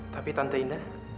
tapi tante indah